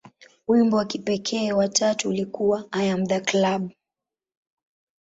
Wimbo wa kipekee wa tatu ulikuwa "I Am The Club".